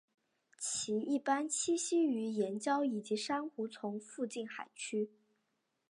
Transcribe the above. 其一般栖息于岩礁以及珊瑚丛附近海区。